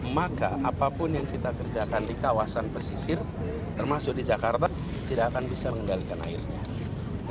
maka apapun yang kita kerjakan di kawasan pesisir termasuk di jakarta tidak akan bisa mengendalikan airnya